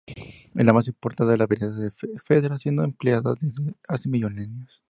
Es la más importante de la variedades de efedra siendo empleada desde hace milenios.